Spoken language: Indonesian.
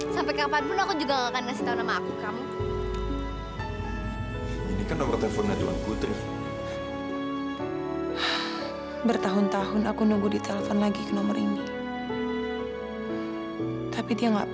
sampai jumpa di video selanjutnya